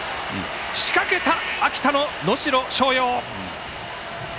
仕掛けた秋田の能代松陽。